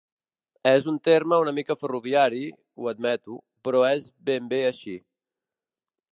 És un terme una mica ferroviari, ho admeto, però és ben bé així.